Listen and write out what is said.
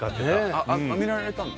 あっ見られたの？